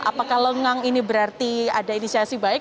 apakah lengang ini berarti ada inisiasi baik